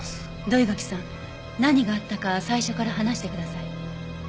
土居垣さん何があったか最初から話してください。